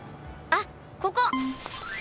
あっここ！